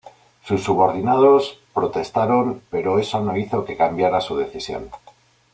Sus subordinados protestaron pero eso no hizo que cambiara su decisión.